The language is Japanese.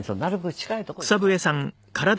近いとこ。